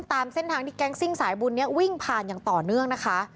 ตามเส้นทางที่แก๊งซิ่งสายบุญนี้วิ่งผ่านอย่างต่อเนื่องนะคะ